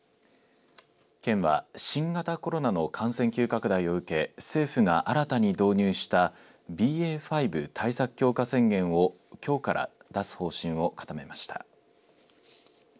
県は新型コロナの感染急拡大を受け政府が新たに導入したＢＡ．５対策強化宣言をきょうから出す方針を固めました。